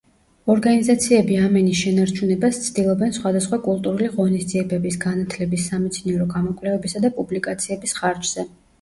ორგანიზაციები ამ ენის შენარჩუნებას ცდილობენ სხვადასხვა კულტურული ღონისძიებების, განათლების, სამეცნიერო გამოკვლევებისა და პუბლიკაციების ხარჯზე.